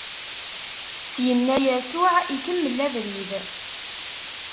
Syenna Yasuɛ ikemmel abrid.